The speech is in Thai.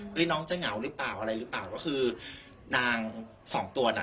น้องจะเหงาหรือเปล่าอะไรหรือเปล่าก็คือนางสองตัวน่ะ